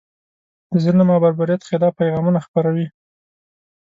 د ظلم او بربریت خلاف پیغامونه خپروي.